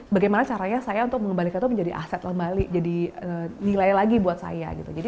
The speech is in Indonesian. bagaimana caranya saya untuk mengembalikan itu menjadi aset kembali jadi nilai lagi buat saya gitu